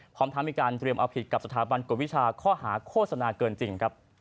พร้อมทั้งมีการเตรียมเอาผิดกับสถาบันกฎวิชาข้อหาโฆษณาเกินจริงครับ